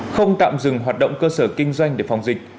không tạm dừng hoạt động cơ sở kinh doanh để phòng dịch